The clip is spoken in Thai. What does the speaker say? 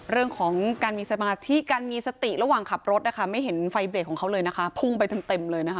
เรื่องของการมีสมาธิการมีสติระหว่างขับรถนะคะไม่เห็นไฟเบรกของเขาเลยนะคะพุ่งไปเต็มเลยนะคะ